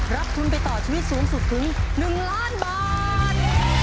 รับทุนไปต่อชีวิตสูงสุดถึง๑ล้านบาท